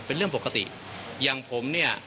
เป็นเรื่องปกติอย่างผมเนี่ย